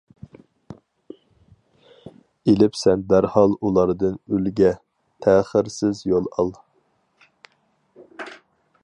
ئېلىپ سەن دەرھال ئۇلاردىن ئۈلگە، تەخىرسىز يول ئال!